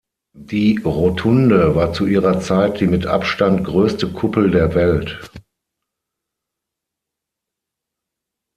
Die Rotunde war zu ihrer Zeit die mit Abstand größte Kuppel der Welt.